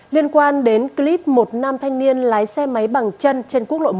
liên quan đến clip một nam thanh niên lái xe máy bằng chân trên quốc lộ một